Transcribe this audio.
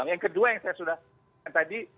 yang kedua yang saya sudah tadi